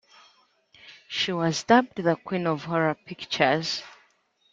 She was dubbed the "Queen of Horror Pictures".